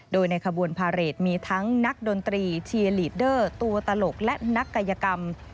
โดยในขบวนพาเรทมีทั้งนักดนตรีเชียร์ลีดเดอร์ตัวตลกและนักกายกรรม